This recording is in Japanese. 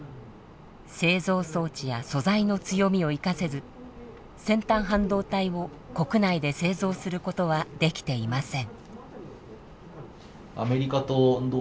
製造装置や素材の強みを生かせず先端半導体を国内で製造することはできていません。